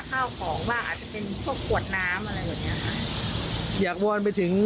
ข้าวของว่าอาจจะเป็นพวกขวดน้ำอะไรแบบเนี้ยค่ะอยากวอนไปถึง